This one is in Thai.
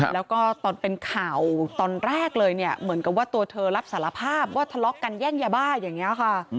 แล้วก็ตอนเป็นข่าวตอนแรกเลยเนี่ยเหมือนกับว่าตัวเธอรับสารภาพว่าทะเลาะกันแย่งยาบ้าอย่างนี้ค่ะ